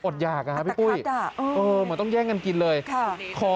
ดูเขาเจออะไรแบบนี้อีก